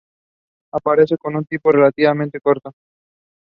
The two matches of the fourth round began by ending the third round.